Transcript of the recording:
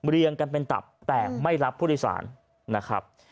เรียงกันเป็นตับแต่ไม่รับพุทธรรมานนะครับ